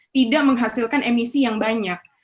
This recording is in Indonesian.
tidak menghasilkan emisi yang banyak